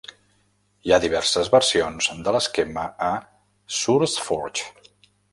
Hi ha diverses versions de l"esquema a Sourceforge.